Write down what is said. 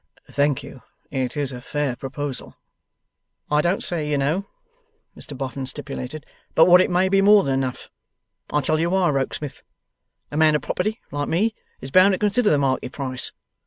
'Thank you. It is a fair proposal.' 'I don't say, you know,' Mr Boffin stipulated, 'but what it may be more than enough. And I'll tell you why, Rokesmith. A man of property, like me, is bound to consider the market price.